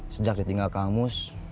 sejak ditinggal kang mus